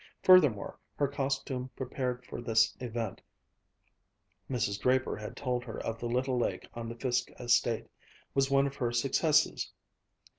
Furthermore, her costume prepared for this event (Mrs. Draper had told her of the little lake on the Fiske estate) was one of her successes.